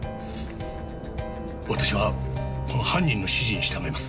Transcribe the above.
私はこの犯人の指示に従います。